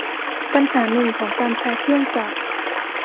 ปัญหาหนึ่งของการใช้เครื่องจักร